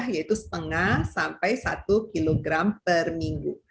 yaitu setengah sampai satu kilogram per minggu